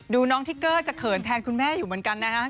น้องทิกเกอร์จะเขินแทนคุณแม่อยู่เหมือนกันนะครับ